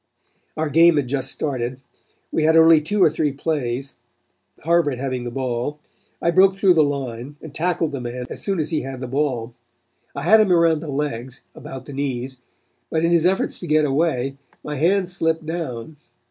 Our game had just started. We had only two or three plays, Harvard having the ball. I broke through the line and tackled the man as soon as he had the ball. I had him around the legs about the knees, but in his efforts to get away, my hands slipped down.